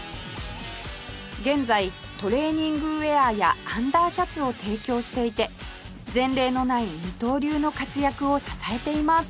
現在トレーニングウェアやアンダーシャツを提供していて前例のない二刀流の活躍を支えています